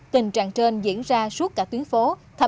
tình trạng trên diễn ra suốt cả tuyến phố